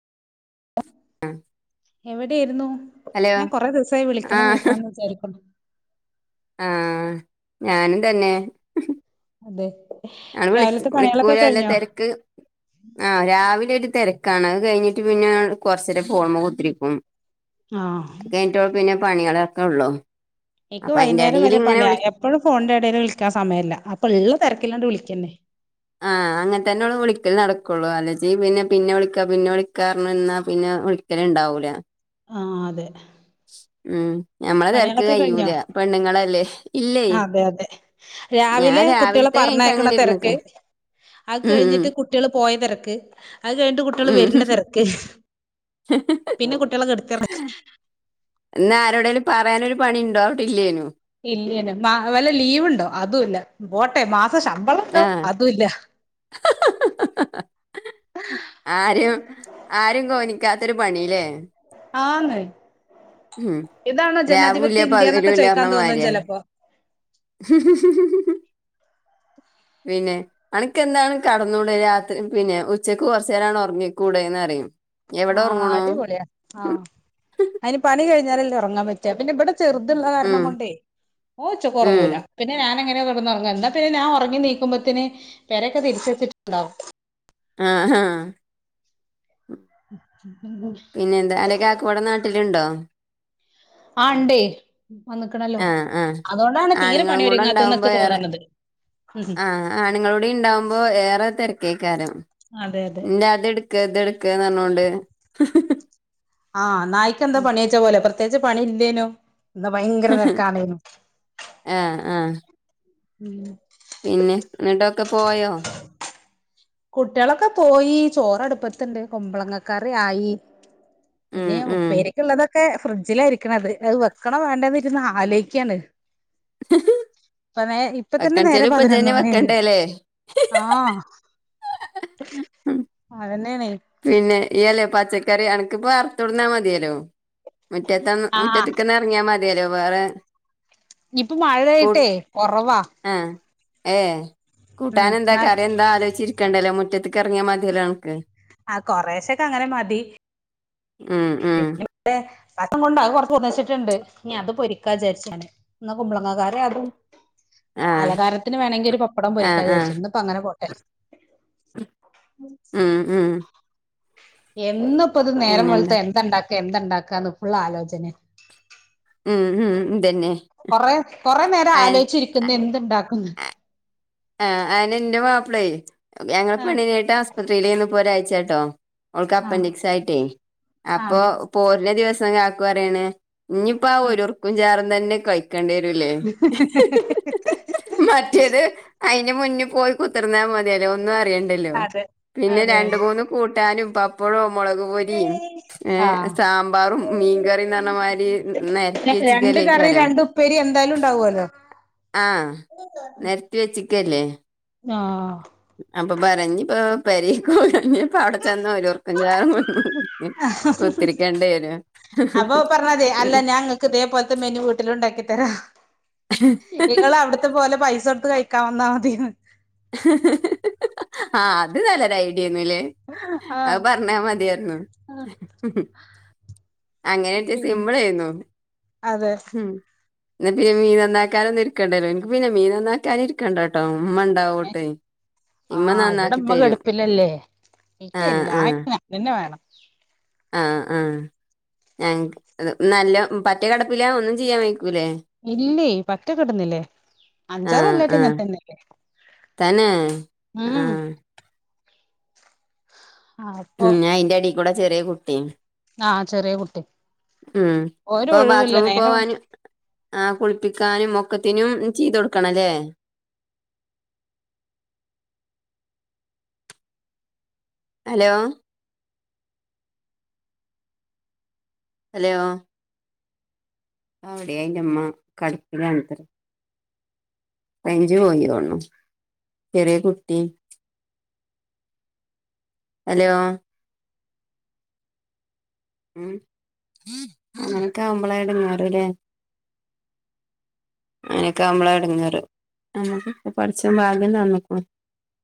ആഹ് എവിടായിരുന്നു ഞാൻ കൊറെ ദിവസമായി വിളിക്കണം ആഹ് വിളിക്കണംന്ന് വിചാരിക്കുന്നു ആഹ് ഞാനും തന്നെ അതെ ആള് വിളിച്ച് രാവിലത്തെ പണികളൊക്കെ വിളിക്കുലാല്ലെ കഴിഞ്ഞോ തെരക്ക് ആഹ് രാവിലെ ഒരു തെരക്കാണ് അത് കഴിഞ്ഞിട്ട് പിന്നെ കൊറചേരം ഫോൺമെ കുത്തിരിക്കും ആഹ് കിട്ടോ പിന്നെ പണികളൊക്കെ ഉള്ളൂ അപ്പൊ അതിന്റെ എടിൽ ഇങ്ങനെ വിളിക ഇപ്പോഴും, ഫോണിന്റെ എടയിൽ വിളിക്കാൻ സമയല്ല അപ്പ ഉള്ള തിരക്കില്ലാണ്ട് വിളിക്കന്നേ. ആഹ് അങ്ങനെ തന്നെ ഉള്ളൂ വിള്ളി കൽ നടക്കുള്ളു അലജങ്കിൽ പിന്നെ പിന്നെ വിളിക്കാ പിന്നെ വിളിക്കാ പറഞ്ഞ് ന്ന പിന്നെ വിള്ളി ത്ത്ന് ഉണ്ടാവൂല ആഹ് അതെ ഉം ഞമ്മളെ തെരക്ക് പണികളൊക്കെ കഴിഞ്ഞോ കയ്യൂല പെണ്ണുങ്ങളല്ലേ ഇല്ലേ ആ, അതെ അതെ ഞാൻ രാവിലെ കുട്ടികളെ ട്ടെ കൈഞ്ഞ്ട്ട് പറഞ്ഞയക്കണ അങ്ങനെ ഇര്ന്ന്കാ തിരക്ക് അത് കഴിഞ്ഞിട്ട് കുട്ടികള് പോയ തെരക്ക് അത് കഴിഞ്ഞ്ട്ട് കുട്ടികള് ഉം വരണ ഉം. തെരക്ക് പിന്നെ കുട്ടികളെ കെടത്തി ഒറക്ക എന്നാ ആരോടേലും പറയാനൊരു പണിണ്ടോവവിട്ടില്ലേനും ഇല്ലെനും മ വല്ല ലീവ്ണ്ടോ അതും ഇല്ല പോട്ടെ മാസ ശം ആഹ് ആരും ആരും കോനിക്കാത്തൊരു പണില്ലേ. ആന്ന് ഉം ഇതാണോ രാവുല്ല ജനാധിപത്യ ഇന്ത്യ എന്നൊക്കെ പകലുല്ല ചോദിക്കാൻ തോന്നും പറഞ്ഞമാര്യാ. ചിലപ്പോ ശിരി ശരി പിന്നെ അനക്ക്ന്താണ് കടന്നുടെ രാത്രി പിന്നെ ഉച്ചക്ക് കുറച്ച് നേരാണ് ഉറങ്ങിക്കൂടെന്ന്റിം. ആഹ് അടിപൊളിയാ ആഹ് അയിന് പണി കഴിഞ്ഞാലല്ലെ ഒറങ്ങാൻ പറ്റാ. ച്ച പിന്നെ ഇവിടെ ചെറുതുള്ള കാരണം ഉം കൊണ്ടേ ഓൻ ഉം ച്ചക്ക്റങ്ങൂല. പിന്നെ ഞാൻങ്ങനെ കിടന്ന്റങ്ങും എന്നാ പിന്നെ ഞാ ഉറങ്ങി നീക്കുമ്പോത്തിന് പേരൊക്കെ തിരിച്ച് വെച്ചിട്ടുണ്ടാവും. ആഹ് ആഹ ഉ പിന്നെ എന്താ അന്റെ കാക്കുവടെ നാട്ടിലുണ്ടോ ആണ്ട് വന്നക്ണല്ലോ ആ ആ അതുകൊണ്ടാണ് തീരെ ആണുങ്ങളും കൂടെ ഉണ്ടാവുമ്പോ പണിരുങ്ങാത്തന്നൊകക്ക് തോന്നണത്. ആണുങ്ങളോടെ ഉണ്ടാവുമ്പോ ഏറെ തിരക്കേക്കാരം അതെ അതെ എന്റെ അത് എടു ക്ക് ഇത് ട്ക്ക് പറഞ്ഞോണ്ട് ആഹ് നായ്ക്ക് എന്താ പണിച്ച പോലെ പ്രത്യേകിച്ച് പണി ഇല്ലേനും ന്ന ഭയങ്കര തെരക്കന്നേനും ആഹ് ആഹ് ഉം പിന്നെ എന്നിട്ടൊക്കെ പോയോ. കുട്ടികളൊക്കെ പോയി ചോറ്ടുപ്പത്തുണ്ട് കുമ്പളങ്ങക്കറി ആയി. ഉം പിന്നെ ഉം ഉപ്പേരിക്ക്ള്ളതൊക്കെ ഫ്രിഡ്ജിലായിരിക്ണേ അത് അത് വെക്കണ്ണോ വേണ്ടന്ന ഇരുന്ന ആലോക്കാണ്. ഇപ്പ നേ ഇപ്പ തന്നെ വെക്കണച്ചേലും നേരം ഇപ്പൊ പതിനൊന്ന് ഇജ്ജന്നെ മണിയി വെക്കണ്ടേല്ലേ ആ അതന്നെയണ. പിന്നെ ഈ അല്ലേ പച്ചക്കറി അനക്കിപ്പറത്തടന്നാ മതിയല്ലോ. മുറ്റത്ത് ആഹ് മുറ്റത്ത്ക്ക് എറങ്ങിയാൽ മതിയല്ലോ വേറെ ഇപ്പൊ മഴ ആയിട്ടെ കൊറവാ ആഹ് ഏഹ് ഉം കൂട്ടാനെന്താ എന്നാ കറിയെന്താ ആലോചിച്ചി കണ്ടല്ലോ മുറ്റത്ത്ക്ക് അറങ്ങിയാ മതില്ലോ അണക്ക് ആഹ് കൊറേശൊക്കെ അങ്ങനെ മതി. മ്മ് മ്മ് അല്ല പസം കൊണ്ട് കൊറച്ച് ഒന്നിച്ചിട്ടുണ്ട് ഞ്ഞ് അത് പൊരിക്കാ വിചാരിച്ചാണ് എന്നാ കുമ്പളങ്ങക്കാരി അതും.. ആ അലങ്കാരത്തിന് വേണെങ്കിൽ ഒരു പപ്പടം ആ പൊരിക്കാ ആ വിചാ രിച്ച ഇന്ന്പ്പങ്ങനെ പോട്ടെ ഉം ഉ എന്നുപ്പത് നേരം വെളുത്ത പിന്നെന്താ എന്തണ്ടാക്ക എന്തണ്ടാക്കാന്ന് ഫുള്ളാ ലോചന. ഉം ഉംതന്ന കൊറെ കൊറേ നേരം ആലോചിച്ചിരിക്കുംന്നന്ത് ണ്ടാകുന്ന്. ആഹ അയിന് എന്റെ മാപ്പിളേ ഞങ്ങള് ആഹ് പെണ്ണിനായിട്ട് ആസുപത്രിയിൽന്ന് ഒരാരാഴ്ച്ചായി ട്ടോ അവൾക്ക് ആഹ് അപ്പൻഡിക്സ് ആയിട്ടേ. അപ്പൊ ആഹ് പോരിന ദിവസം കാക്കു പറിയാണ് ഇനിയിപ്പ ആ ഒരുർക്കും ചാറും തന്നെ കഴിക്കും.. ക്കേണ്ടി വരൂലെ മറ്റേത് അയിന്റെ മുന്നേ പോയി കുത്തിർന്നാൽ മതിയല്ലോ ഒന്നും അറിയണ്ടല്ലോ അതെ അതെ പിന്നെ അതെ രണ്ട് മൂന്നും.. കൂട്ടാനും പ അപ്പൊ ഴ് മൊളക് പൊരിയും ഏ ആഹ് സാമ്പാറും മീൻകറിയെ ന്ന് റഞ്ഞമാതിരി... നെ രത്തി രണ്ട് കറി ചിക്കല്ലായ്ക്കാരം. രണ്ട് ഉപ്പേരി എന്തായാലും ഉണ്ടാവുമല്ലോ ആഹ നെ രത്തി വെച്ചിക്കല്ലേ. ആഹ അപ്പൊ പറി ഞ്ഞപ്പൊ പേരികൊയാൽ ഞ്ഞ പ്പ അവടെ ചെന്ന രോർക്കും ചായ.. കുത്തിരിക്കേണ്ടി വരു... ക്ക് ഇതേ പോലത്തെ മെനു വീട്ടിലുണ്ടാക്കി തരാഇ ങ്ങ അവിടുത്തെ പോലെ പൈസോ ടുത്ത് കഴ... ക്ക വന്നാൽ മതിയന്... ആ അത് നല്ലരു ഐഡിയന്നല്ലേ ആഹ് അത് പറഞ്ഞാ മതിയാ ർ ന്നു പിൻ അതെ. ഉ ങ്ങക്ക് പിന്നെ മീൻ നന്നാക്കാനൊന്നും ഇരിക്കണ്ടല്ലോ എനിക്ക് പിന്നെ മീൻ നന്നാക്കാനും ഇരിക്കണ്ട ട്ടൊ ഇമ്മൻ... ആ ഇവിടമ്മ തരും കെടുപ്പില്ലല്ലേ എനി ആ ക്കെല്ലാ... നിന്നെ വേണം ആഹ ആഹ ഞ നല്ല പറ്റ കിടപ്പില ഒന്നും ചെയ്യാൻ വയിക്കൂല്ലേ. ഇല്ലേ. പറ്റ കിടന്നില്ലേ അഞ്ചാറല്ലായിട്ട് ഇങ്ങനെ തന്നല്ലേ തന്നേ ആ അപ്പൊ ഉ അയിന്റെടി കൂടെ ചെറിയ കുട്ടീം. ആഹ് ചെറിയ കുട്ടി ഉ ഇപ്പൊ ഒരൊഴിവുല്ല ബാത്ത്റൂമിൽ നേരെ മറിച്ച് പോവാനും.. ആ കുളിപ്പിക്കാനും ഒ ക്കത്തിനും ചെയ്ത ട് ക്കണംല്ലേ. ഹലോ ഹലോ അവിടെ ന്റെമ്മ കിടപ്പിലാണത്രെ റൈഞ്ച് പോയിതോന്നുണു ചെറിയ കുട്ടി.. ഹലോ ഉം അങ്ങനൊക്കാ വുമ്പളായിട ങ്ങേ റല്ലേ അങ്ങനൊക്കാവുമ്പള എടങ്ങേറ് നമ്മക്കൊക്കെ പടച്ചോൻ ഭാഗ്യം തന്നക്കണ്.